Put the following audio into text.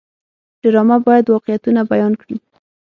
ډرامه باید واقعیتونه بیان کړي